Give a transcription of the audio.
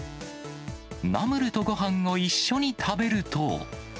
ナムルとごはんを一緒に食べると。